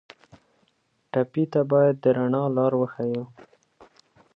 ټپي ته باید د رڼا لار وښیو.